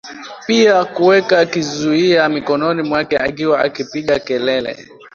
pia kuweka kizuia mikononi mwake akiwa akipiga kelele